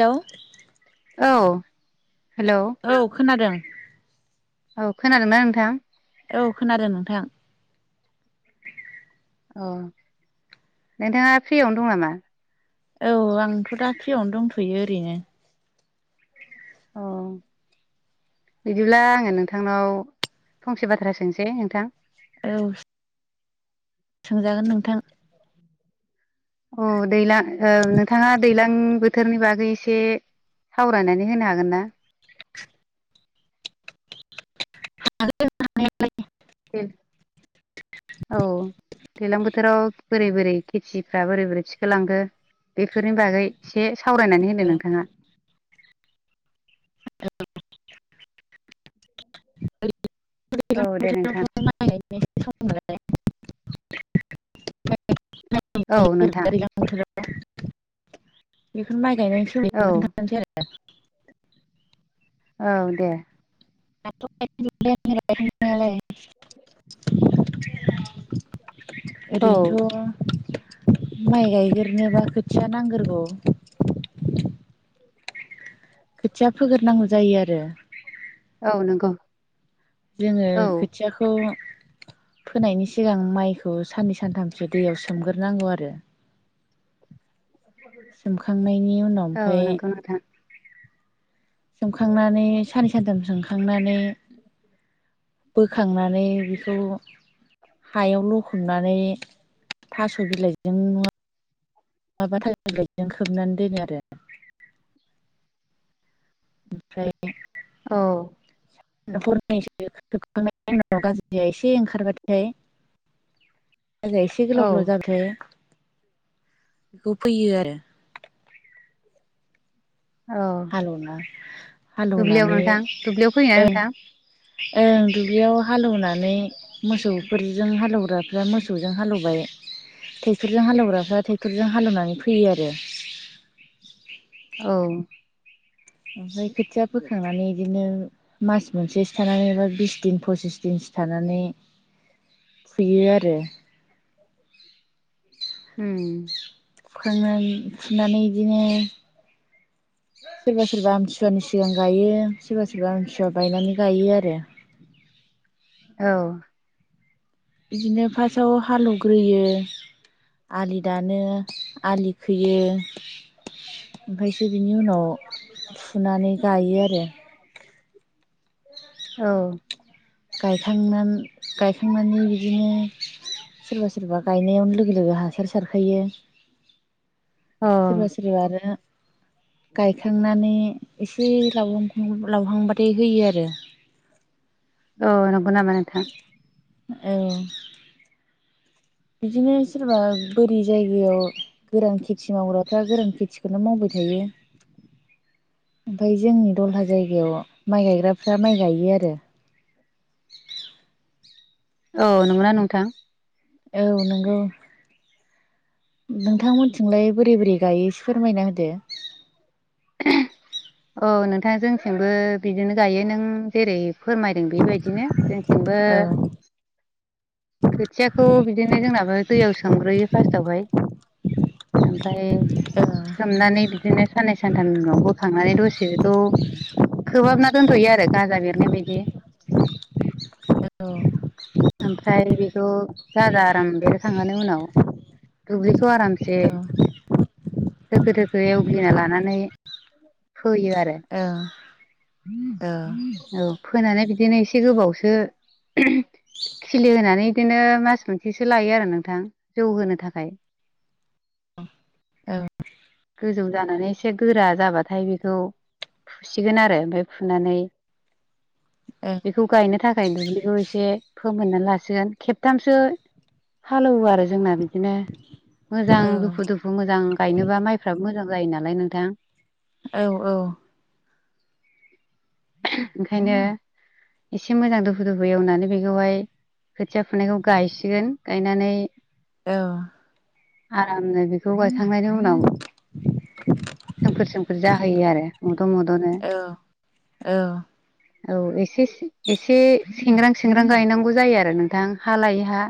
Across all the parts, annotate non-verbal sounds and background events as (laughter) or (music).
Hello औ hello औ खोनादों। औ खोनादोंना नोंथां? औ खोनादों नोंथां। अ नोंथांङा फ्रियावनो दं नामा? औ आंथ' दा फ्रियावनो दंथ'यो ओरैनो। अ। बिदिब्ला आंङो नोंथांनाव फंसे बाथ्रा सोंसै नोंथां औ। सोंजागोन नोथां। औ दैलां ओ नोंथांङा दैलां बोथोरनि बागै एसे सावरायनानै होनो हागोन ना? हागोन हानाय आलाय। (unintelligible) दे औ। दैलां बोथोराव बोरै बोरै खेथिफ्रा बोरै बोरै थिखोलांखो बेफोरनि बागै। एसे सावरायनानै होदो नोंथांङा। ए औ दे समाय। नोंथां (unintelligible) अ। (unintelligible) बोथोराव बेखौनो औ नोंथां माइ गायनानै सोलि खिथानोसै औ आरो। (unintelligible) औ दे। अ। (unintelligible) औ ओरैनोथ' माइ गायगोरनोबा खोथिया नांगोरगौ। खोथिया फोगोरनांगौ जायो आरो। औ नोंगौ। जोंङो खोथियाखौ फोनायनि सिगां माइखौ साननै सानथामसो दैयाव सोमगोरनांगौ आरो। सोमखांनायनि उनाव औ ओमफ्राय नोंगौ नोंथां। सोमखांनानै सानै सानथाम सोमखांनानै बोखांनानै बेखौ हायाव लखबनानै थास' बिलाइजों न माबा (unintelligible) गजों खोबनानै दोनो आरो। ओमफ्राय औ। हरनैसोोबख गाज्रि एसे ओंखारबाथाय (unintelligible) (inaudible) हाजाया एसे गोलाव औ गोलाव जाबाथाय बेखौ फैयो आरो। औ हालेवना दुब्लियाव हालेवनानै नोंथां दुब्लियाव फैयोना ओ। नोंथां ओं दुब्लियाव हालेवनानै मोसौफोरजों हालेवग्राफ्रा मोसौजों हालौवबाय। ट्रेक्ट'रजों हालेवग्राफ्रा ट्रेक्टरजों हालेवनानै फैयो आरो। औ। ओमफ्राय खोथिया फोखांनानै बिदिनो मास मोनसेसो थानानै एबा बिस दिन पसिस दिनसो थानानै फुयो आरो। (inaudible) (inaudible) उम नाय फुनानै बिदिनो सोरबा सोरबा आमथिसुवानि सिगां गायो सोरबा सोरबा आमथिसुवा बायनानै गायो आरो। औ बिदिनो फार्सट आव हालौग्रोयो आलि दानो आलि खोयो ओमफ्रायसो बिनि उनाव फुनानै गायो आरो। औ गायखांनानै गायखांनानै बिदिनो सोरबा सोरबा गायनायावनो लोगो लोगो हासार सारखायो। औ सोरबा सोरबा आरो गायखांनानै एसे लावहां लावहांबाथाय होयो आरो। औ नंगौ नामा नोंथां। औ बिदिनो सोरबा बोरि जायगायाव गोरान खेथि मावग्राफ्रा गोरान खेथिखौनो मावबाय थायो। (inaudible) ओमफ्राय जोंनि दलहा जायगायाव माइ गायग्राफ्रा माइ गायो आरो। औ नंगौना नोंथां। औ नंगौ नोंथांमोनथिंलाय बोरै बोरै गायो एसे फोरमायना होदो? ओह औ नोंथा जोंनिथिंबो बिदिनो गायो नों जेरै फोरमायदों बेबायदिनो। जोंथिंबो खोथियाखौ बिदिनो जोंनाबो दैयाव सोमग्रोयो फार्स्टआवहाय। ओमफ्राय सोमनानै बिदिनो साननै सानथामनि उनाव बोखांनानै दसे बिखौ खोबहाबना दोनथ'यो आरो गाजा बिरनाय बायदि। ओमफ्राय बेखौ गाजा आराम बेरहोखांनानै उनाव दुब्लिखौ आरामसे दोखो दोखो एवग्लिना लानानै फोयो आरो। (inaudible) औ। औ फोनानै बिदिनो एसे गोबावसो खिलि होनानै बिदिनो मास मोनसेसो लायो आरो नोंथां जौ होनो थाखाय (inaudible) औ गोजौ जानानै एसे गोरा जाबाथाय बेखौ फुसिगोन आरो ओमफ्राय फुनानै बेखौ गायनो थाखाय दुब्लिखौ एसे फोमोननानै लासिगोन खेबथामसो हालेवो आरो जोंना बिदिनो मोजां दुफु दुफु मोजां गायनोबा माइफ्राबो मोजां जायो नालाय नोंथां। औ औ ओंखायनो एसे मोजां दुफु दुफु एवनानै बेखौहाय खोथिया फुनायखौ गायसिगोन गायनानै औ आरामनो बेखौ गायखांनायनि उनाव सोमखोर सोमखोर जाहोयो आरो मोद' मोद'नो औ औ एसे एसे एसेसेंग्रां सेंग्रां गायनांगौ जायो आरो नोंथां हा लायै हा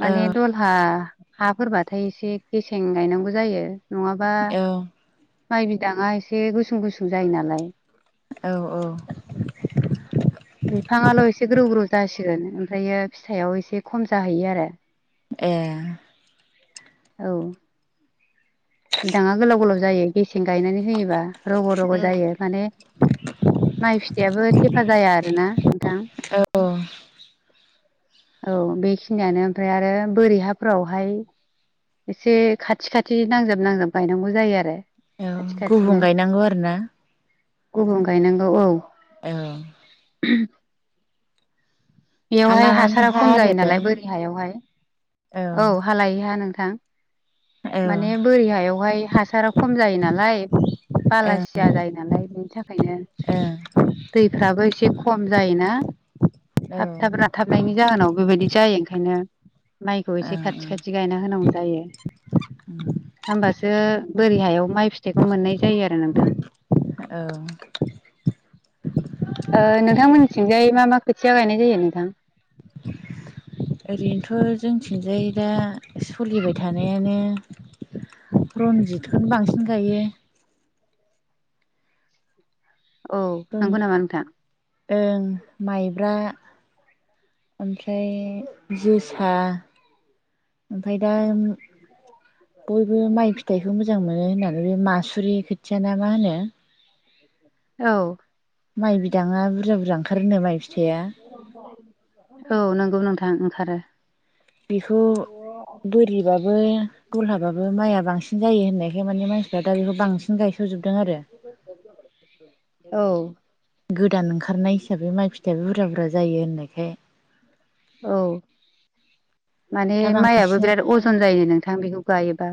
माने दलहा हाफोरबाथाय एसे गेसें गायनांगौ जायो नङाबा द' माइ बिदाङा एसे गुसुं गुसुं जायो नालाय औ औ बिफाङाल' एसे ग्रौ ग्रौ जासिगोन ओमफ्रायो फिथाइआव एसे खम जाहैयो आरो (inaudible) एह औ बिदाङा गोलाव गोलाव जायो गेसें गायनानै होयोबा रग' रग' जायो माने माइ फिथाइयाबो थेफा जाया आरो ना नोंथां औ औ बेखिनियानो ओमफ्राय आरो बोरै हाफोरावहाय एसे खाथि खाथि नांजाब नांजाब गायनांगौ जायो आरो औ खाथि गुबुं खाथिनो गायनांगौ आरो ना गुबुं गायनांगौ औ औ उम हा बेयावहाय लानानै हासारा हा खम आरो जायो नालाय बोरि हायावहाय औ हालायैहा नोंथां। औ ओं माने बोरि हायावहाय हासाराव खम जायो नालाय ओं बालासिया जायो नालाय बेनि थाखायनो दैफ्राबो एसे खम जायोना औ थाब ओं थाब राथाबनायनि जाहोनाव बेबायदि जायो ओंखायनो माइखौ एसे खाथि ओं खाथि गायना होनांगौ जायो। (inaudible) होमबासो बोरि हायाव माइ फिथाइखौ मोननाय जायो आरो नोंथां। औ ओ नोंथांमोननि थिंजाय मा मा खोथिया जायो नोंथां? ओरैनोथ' जोंथिंजाय दा सोलिबाय थानायानो रनजितखौनो बांसिन गायो। औ नंगौ नामा नोंथां। ओं माइब्रा ओमफ्राय जोसा ओमफ्राय दा औ। बयबो माइ फिथाइखौ मोजां मोनो होननानै बे मासुरि खोथिया ना मा होनो? (inaudible) औ। माइ बिदाङा बुरजा बुरजा ओंखारोनो माइ फिथाइया औ नंगौ नोंथां ओंखारो। बेखौ बोरिबाबो दलहाबाबो माइआ बांसिन जायो होननायखाय माने मानसिफ्रा दा बेखौ बांसिन बिनि गायस' सोजोबदों आरो औ गोदान ओंखारनाय हिसाबै माइ फिथाइाबो बुरजा बुरजा जायो होननायखाय औ। माने दा माइआबो बिराद बांसिनानो अजन जायो नोंथां बेखौ गायोबा।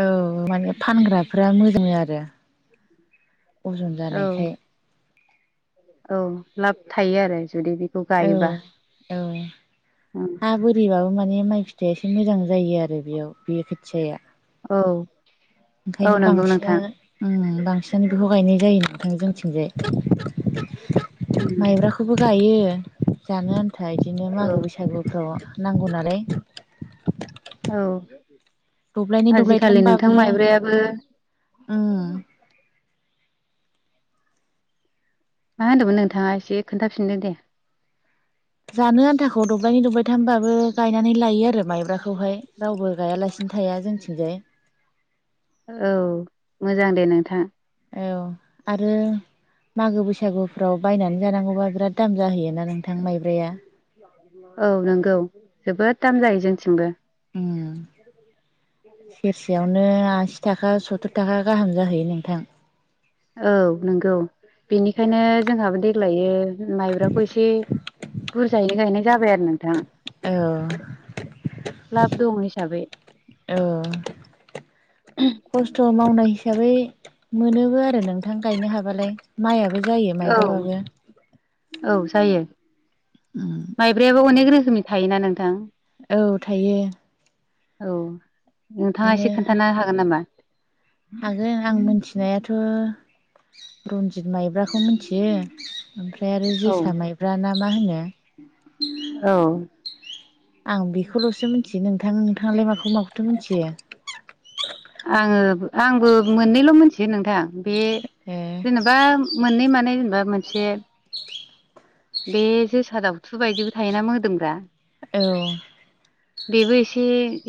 औ माने फानग्राफोरा मोजां आरो अजन औ जानायखाय। औ लाब थायो आरो। जुदि बेखौ औ गायोबा औ। हा बोरिबाबो माने माइ फिथाइया एसे मोजां जायो आरो बेयाव बे खोथियाया। औ। औ ओंखायनो नंगौ बांसिना नोंथां ओम बांसिनानो बेखौ गायनाय जायो नोंथां जोंथिंजाय। उम। खौबो गायो जानो आन्था बिदिनो मागो औ बैसागो फोराव नांगौ नालाय औ दब्लायनै आजिखालि नोंथां मायब्रायाबो ओम। मा होनदोमोन नोंथाङा? एसे खोनथाफिनदो दे। जानो आन्थाखौ दब्लायनै दबायथामबाबो गायनानै लायो आरो माइब्राखौहाय रावबो गायालासिनो थाया जोंथिंजाय। औ मोजां दे नोंथां। औ आरो। मागो बैसागुफ्राव बायनानै जानांगौबा बिराद दाम जाहोयोना नोंथां माइब्राया। औ नोंगौ जोबोद दाम जायो जोंथिंबो। उम सेरसेयावनो आसि थाखा सथुर थाखा गाहाम जाहैयो नोंथां। औ नोंगौ। बेनिखायनो जोंहाबो देग्लायो माइब्राखौ इसे बुरजायैनो गायनाय जाबाय आरो नोंथां। औ। लाब दं हिसाबै। औ खस्थ' मावनाय हिसाबै मोनोबो आरो नोंथां गायनो हाबालाय। माइआबो जायो औ माइब्राबाबो। औ जायो। उम। माइब्रायाबो अनेक रोखोमनि थायोना नोंथां? औ थायो। औ। नोंथांआ बिदिनो एसे खोन्थानो हागोन्नामा? हागोन आं मोनथिनायाथ रन्जित माइब्रा मोनथियो ओमफ्राय आरो औ जोसा माइब्रा ना मा होनो औ आं बेखौल'सो मोनथियो नोंथां नोंथाङालाय माखौ माखौथो मोनथियो आङो आंबो मोननैल' मोनथियो नोंथां बे ए जेनोबा मोननै माने जेनोबा मोनसे बे जोसा दावथु बायदिबो थायोना मोदोमग्रा औ बेबो एसे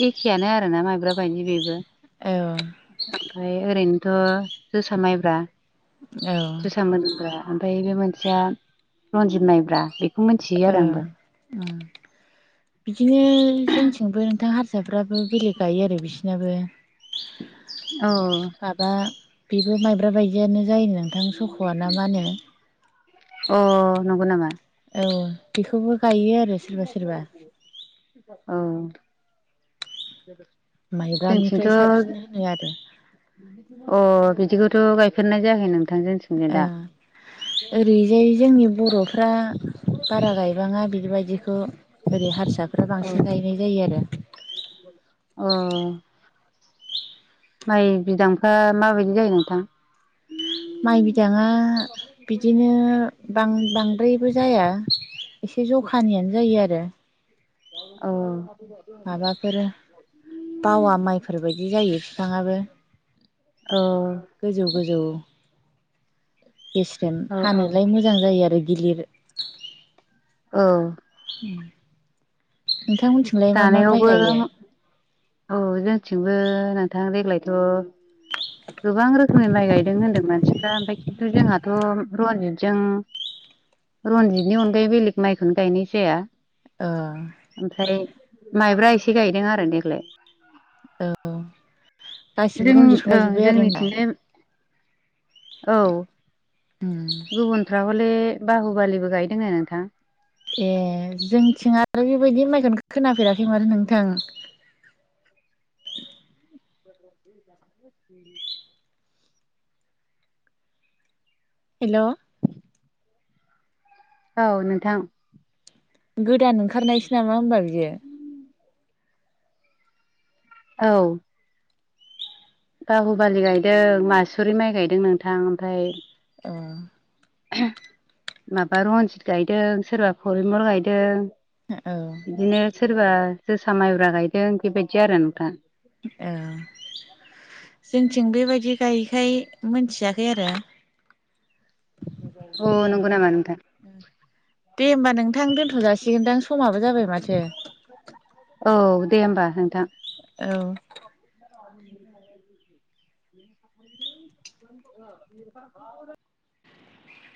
एखेयानो आरोना माइब्रा बायदि बेबो औ ओमफाय ओरैनोथख' जोंहा माइब्रा औ जोसा माइब्रा ओमफाय बे मोनसेया रन्जित माइब्रा बेखौ मोनथियो औ आरो आंबो बिदिनो जोंथिंबो नोंथां हारसाफ्राबो बेलेग गायो आरो बिसनाबो औ माबा बेबो माइब्रा बायदियानो जायो नोंथां सख'आ ना मा होनो अ नंगौ नामा औ बिखौबो गायो। आरो सोरबा सोरबा अ। माइब्रानिफ्राय साबसिन होनो आरो अ बिदिखौथ' गायफेरनाय जायाखै नों ओ ओरैजाय जोंनि बर'फ्रा बारा गायबाङा बिदि बायदिखौ। ओरै हारसाफ्रा औ बांसिन गायनाय जायो आरो। अ माइ बिदांफ्रा माबायदि जायो नोंथां? माइ बिदाङा बिदिनो बां बांद्रायबो जाया। एसे जखानियानो जायो आरो। औ। माबाफोर बावा माइफोरबायायदि जायो फिफाङाबो। औ। गोजौ गोजौ। गेस्रेम औ औ हानोलाय मोजां जायो आरो गिलिर ओ। उम नोंथां मोन्थिं दानायावबो औ जोंथिंबो नोंथां देग्लायथ' गोबां रोखोमनि माइ गायदों होनदों मानसिफ्रा ओमफाय खिन्थु जोंहाथ' रनजितजों रनजितनि अनगायै बेलेग माइखौनो गायनाय जाया ओ ओमफ्राय माइब्रा एसे गायदों आरो देग्लाय। ओ गासिबो जों रनजितखौ ओं गायजोब्बाय आरो होमबा जोंनिथिंजाय औ उम गुबुनफ्रा हले बाहु बालिबो गायदों नो नोंथां। ए जोंथिं आरो बेबायदि माइखोनो खोनाफेराखै माथो नोंथां (inaudible) (inaudible) हेल' औ नोंथां। गोदान ओंखारनायसो नामा होमबा बियो औ बाहु बालि गायदों मासुरि माइ गायदों नोंथां ओमफाय ओ माबा रनजित गायदों सोरबा फरिमल गायदों हो औ बिदिनो सोरबा जोसा माइब्रा गायदों बेबायदि आरो नोंथां। ओ जोंथिं बेबायदि गायैखाय मोन्थियाखै आरो अ नंगौ नामा नोंथा? दे होमबा नोंथां दोनथ' जासिगोनदां समाबो जाबाय माथो औ दे होमबा नोंथां। औ (unintelligible) (unintelligible)